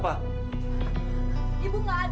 ibu cuma ngeselin ini